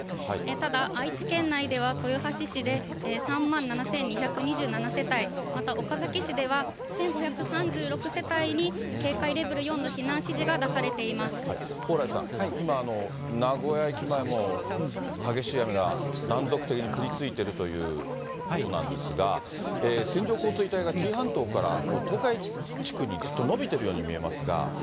ただ、愛知県内では豊橋市で３万７２２７世帯、またおかざき市では１５３６世帯に警戒レベル４の避難指示が出さ蓬莱さん、今、名古屋駅前も激しい雨が断続的に降り続いているようなんですが、線状降水帯が紀伊半島から東海地区にずっと延びてるように見えま